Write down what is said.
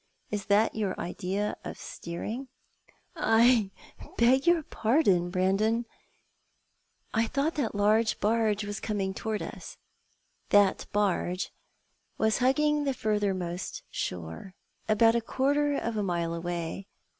Is that your idea of steering ?" "I — I — beg your pardon. Brandon. I thought that barge was coming towards u>:.' " That barge " was hugging the furthermost shore, about a quarter of a mile away.